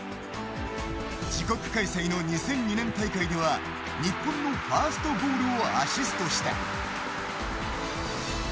自国開催の２００２年大会では日本のファーストゴールをアシストした。